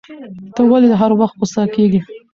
ته ولي هر وخت غوسه کیږی